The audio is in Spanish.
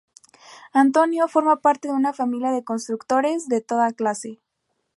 Antonio forma parte de una familia de constructores, de toda clase.